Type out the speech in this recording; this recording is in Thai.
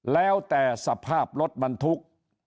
แล้วแต่สภาพรถบรรทุก